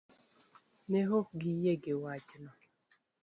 Ne ok giyie gi wachno.